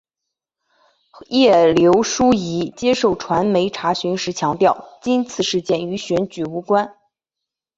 叶刘淑仪接受传媒查询时强调今次事件与选举无关。